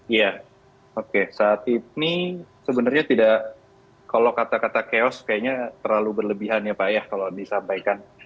iya oke saat ini sebenarnya tidak kalau kata kata chaos kayaknya terlalu berlebihan ya pak ya kalau disampaikan